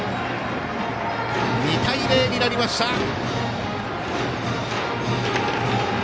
２対０になりました。